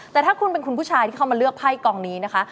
แต่ถ้าคุณเป็นคุณผู้ชายที่เขามาเลือกไพ่กองนี้นะคะ